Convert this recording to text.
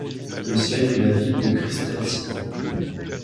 Le siège est la ville de Crystal City.